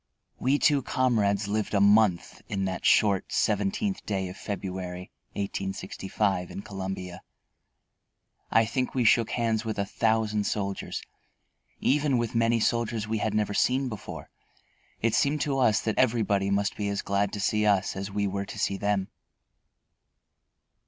We two comrades lived a month in that short seventeenth day of February, 1865, in Columbia. I think we shook hands with a thousand soldiers, even with many soldiers we had never seen before. It seemed to us that everybody must be as glad to see us as we were to see them.